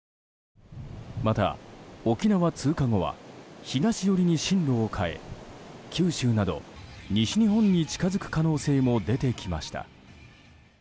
また、沖縄通過後は東寄りに進路を変え九州など西日本に近づく可能性も出てきました。